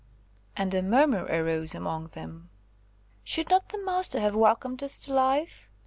And a murmur arose among them,–"Should not the Master have welcomed us to life?